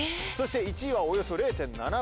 そして１位はおよそ０．７％。